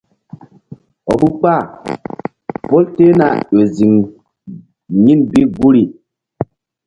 Vbukpa pol tehna ƴo ziŋ yin bi guri.